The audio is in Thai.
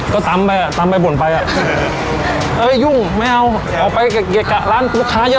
ก็ตำไปอ่ะตำไปบ่นไปอ่ะเอ้ยยุ่งไม่เอาออกไปเกะกะร้านลูกค้าเยอะ